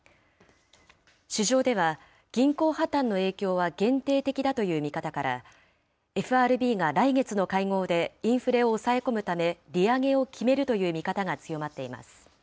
市場では、銀行破綻の影響は限定的だという見方から、ＦＲＢが来月の会合でインフレを抑え込むため、利上げを決めるという見方が強まっています。